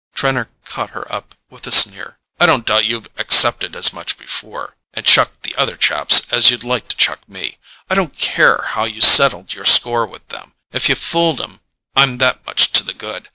Trenor caught her up with a sneer. "I don't doubt you've accepted as much before—and chucked the other chaps as you'd like to chuck me. I don't care how you settled your score with them—if you fooled 'em I'm that much to the good.